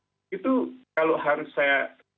tapi saya ingat itu kalau harusnya itu harusnya